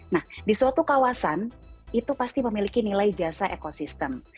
nah di suatu kawasan itu pasti memiliki nilai jasa ekosistem